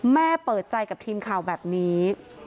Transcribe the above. เปิดใจกับทีมข่าวแบบนี้